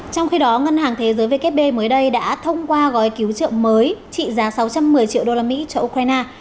trong khi đó ngân hàng thế giới vkp mới đây đã thông qua gói cứu trợ mới trị giá sáu trăm một mươi triệu đô la mỹ cho ukraine